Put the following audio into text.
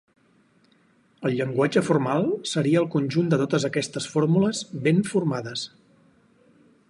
El llenguatge formal seria el conjunt de totes aquestes fórmules ben formades.